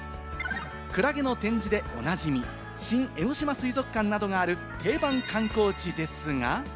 クラゲの展示でおなじみ新江ノ島水族館などがある定番観光地ですが。